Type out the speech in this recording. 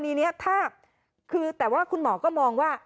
กรณีนี้แต่ว่าคุณหมอก็มองว่า